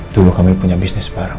dulu kami punya bisnis bareng